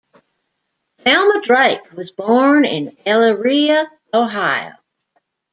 Thelma Drake was born in Elyria, Ohio.